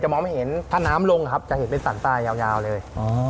จะมองให้เห็นถ้าน้ำลงครับจะเห็นเป็นสัตว์ใต้ยาวเลย